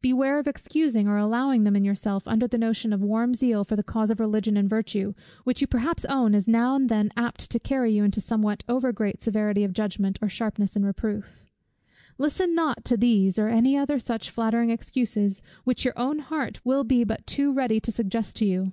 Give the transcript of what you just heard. Beware of excusing or allowing them in yourself, under the notion of warm zeal for the cause of Religion and virtue, which you perhaps own is now and then apt to carry you into somewhat over great severity of judgment, or sharpness in reproof. Listen not to these, or any other such flattering excuses, which your own heart will be but too ready to suggest to you.